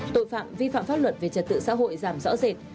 tội phạm vi phạm pháp luật về trật tự xã hội giảm rõ rệt